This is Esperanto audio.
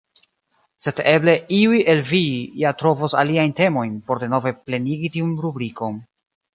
Sed eble iuj el vi ja trovos aliajn temojn, por denove plenigi tiun rubrikon.